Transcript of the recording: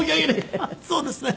そうですね。